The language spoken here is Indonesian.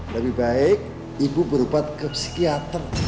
lebih baik ibu berobat ke psikiater